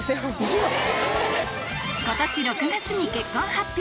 今年６月に結婚発表